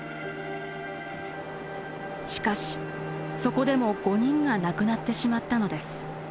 しかしそこでも５人が亡くなってしまったのです。